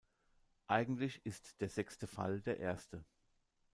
Eigentlich ist der sechste Fall der Erste.